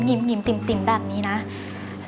สามารถรับชมได้ทุกวัย